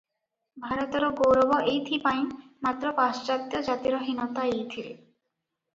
ଭାରତର ଗୌରବ ଏଇଥି ପାଇଁ ମାତ୍ର ପାଶ୍ଚାତ୍ତ୍ୟ ଜାତିର ହୀନତା ଏଇଥିରେ ।